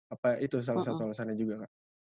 apa itu salah satu alasannya juga kak